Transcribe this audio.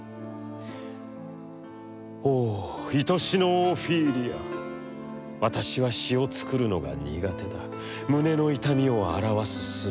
おお、愛しのオフィーリア、私は詩を作るのが苦手だ、胸の痛みを表す術を持っていない。